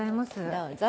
どうぞ。